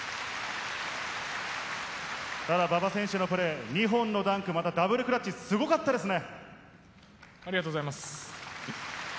馬場選手のプレー、２本のダンク、またダブルクラッチ、すごかったですね。